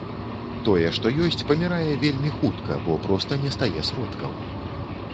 Тое, што ёсць, памірае вельмі хутка, бо проста не стае сродкаў.